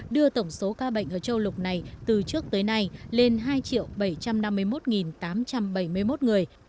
đưa tổng số ca bệnh ở châu lục này từ trước tới nay lên hai bảy trăm năm mươi một tám trăm bảy mươi một người